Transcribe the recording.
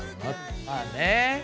まあね。